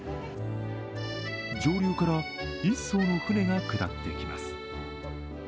上流から１艘の船が下ってきます。